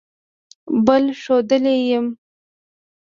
بل ښودلئ شی